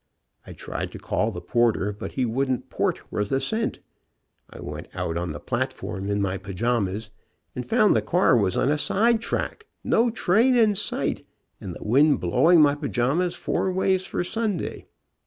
I tried to call the porter but he wouldn't port worth a cent. I went out on the platform in my pajamas and found the car was on a sidetrack, no train in sight, and the wind blowing my pajamas four ways for Sunday.